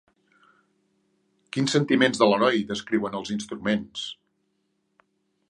Quins sentiments de l'heroi descriuen els instruments?